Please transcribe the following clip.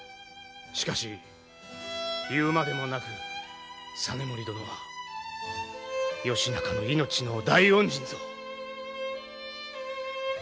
しかし言うまでもなく実盛殿は義仲の命の大恩人ぞ。